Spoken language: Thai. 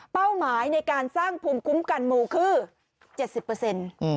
เป้าหมายในการสร้างภูมิคุ้มกันมูลคือ๗๐เปอร์เซ็นต์